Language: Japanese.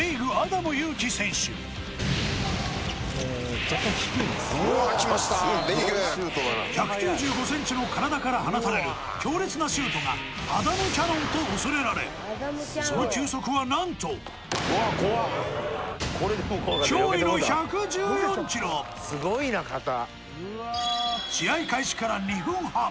部井久１９５ｃｍの体から放たれる強烈なシュートがアダムキャノンと恐れられその球速は何と驚異の１１４ｋｍ／ｈ試合開始から２分半